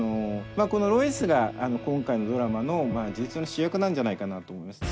このロイスが今回のドラマの事実上の主役なんじゃないかなとも思います。